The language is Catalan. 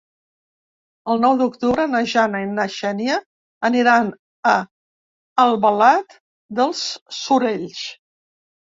El nou d'octubre na Jana i na Xènia aniran a Albalat dels Sorells.